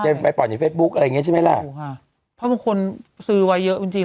ไปไปปล่อยในเฟซบุ๊คอะไรอย่างเงี้ใช่ไหมล่ะถูกค่ะเพราะบางคนซื้อไว้เยอะจริงจริง